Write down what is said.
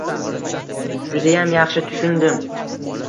Judayam yaxshi tushundim.